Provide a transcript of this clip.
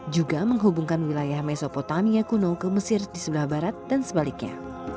juga menghubungkan wilayah mesopotamia kuno ke mesir di sebelah barat dan sebaliknya